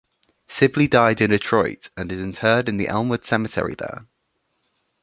Sibley died in Detroit and is interred in Elmwood Cemetery there.